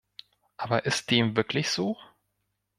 Aber ist dem wirklich so?